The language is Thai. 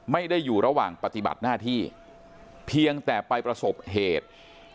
ไม่ได้อยู่ระหว่างปฏิบัติหน้าที่เพียงแต่ไปประสบเหตุ